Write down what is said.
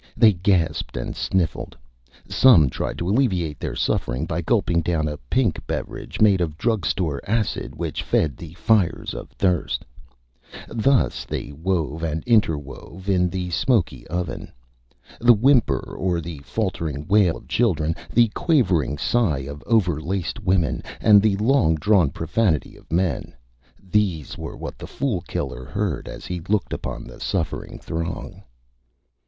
They Gasped and Sniffled. Some tried to alleviate their Sufferings by gulping down a Pink Beverage made of Drug Store Acid, which fed the Fires of Thirst. Thus they wove and interwove in the smoky Oven. The Whimper or the faltering Wail of Children, the quavering Sigh of overlaced Women, and the long drawn Profanity of Men these were what the Fool Killer heard as he looked upon the Suffering Throng.